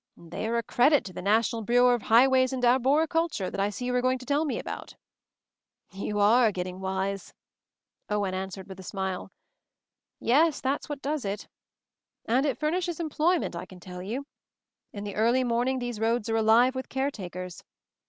"They are a credit to the National Bu reau of Highways and Arboriculture that I see you are going to tell me about." "You are getting wise," Owen answered, with a smile. "Yes — that's what does it. And it furnishes employment, I can tell you. In the early morning these roads are alive with caretakers.